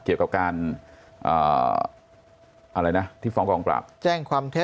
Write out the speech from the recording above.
เกี่ยวกับการอะไรนะที่ฟ้องกองปราบแจ้งความเท็จ